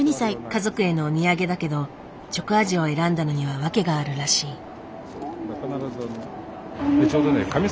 家族へのお土産だけどチョコ味を選んだのには訳があるらしい。